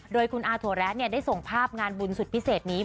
โดยคุณอาถั่วแระได้ส่งภาพงานบุญสุดพิเศษนี้